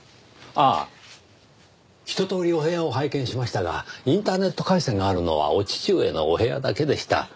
ああひととおりお部屋を拝見しましたがインターネット回線があるのはお父上のお部屋だけでした。